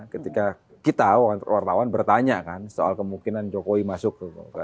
ketika kita wartawan bertanya kan soal kemungkinan jokowi masuk ke golkar